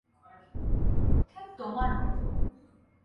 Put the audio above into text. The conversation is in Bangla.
ঠিক তোমার মত।